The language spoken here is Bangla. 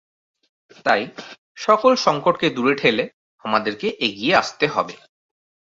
তাই সকল সংকটকে দূরে ঠেলে আমাদেরকে এগিয়ে আসতে হবে।